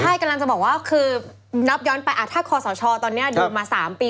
ใช่กำลังจะบอกว่าคือนับย้อนไปถ้าคอสชตอนนี้ดูมา๓ปี